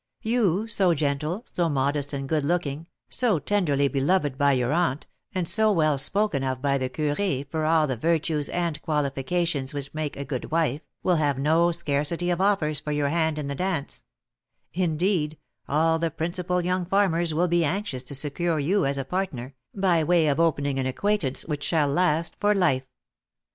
You, so gentle, so modest and good looking, so tenderly beloved by your aunt, and so well spoken of by the curé for all the virtues and qualifications which make a good wife, will have no scarcity of offers for your hand in the dance, indeed, all the principal young farmers will be anxious to secure you as a partner, by way of opening an acquaintance which shall last for life.